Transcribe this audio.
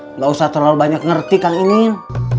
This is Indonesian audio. nggak usah terlalu banyak ngerti kang ini